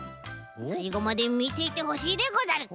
さいごまでみていてほしいでござる。